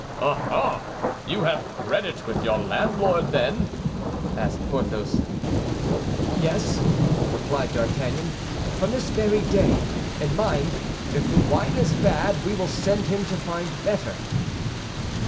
"Ah, ah! You have credit with your landlord, then?" asked Porthos. "Yes," replied D'Artagnan, "from this very day; and mind, if the wine is bad, we will send him to find better."